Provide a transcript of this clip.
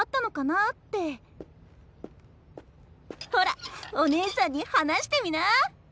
ほらおねえさんに話してみな！